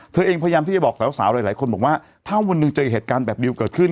เธอเองพยายามที่จะบอกสาวหลายคนบอกว่าถ้าวันหนึ่งเจอเหตุการณ์แบบนี้เกิดขึ้น